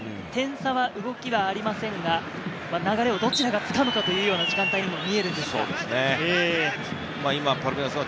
点差の動きはありませんが、流れをどちらが掴むかというような時間帯にも見えるんですが。